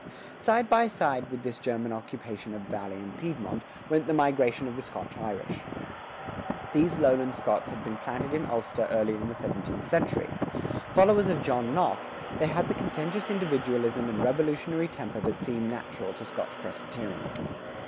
Side by side with this German occupation of Valley and Piedmont, went the migration of the Scotch Irish.[103:1] These lowland Scots had been planted in Ulster early in the seventeenth century. Followers of John Knox, they had the contentious individualism and revolutionary temper that seem natural to Scotch Presbyterianism.